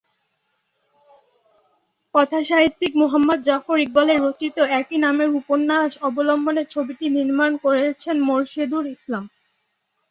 কথাসাহিত্যিক মুহম্মদ জাফর ইকবাল রচিত একই নামের উপন্যাস অবলম্বনে ছবিটি নির্মাণ করেন মোরশেদুল ইসলাম।